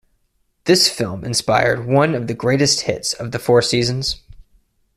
This film inspired one of the greatest hits of The Four Seasons.